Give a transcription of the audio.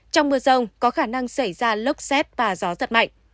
trong mưa rông có khả năng xảy ra lốc xét và gió giật mạnh